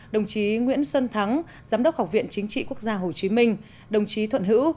đồng chí nguyễn xuân thắng giám đốc học viện chính trị quốc gia hồ chí minh đồng chí thuận hữu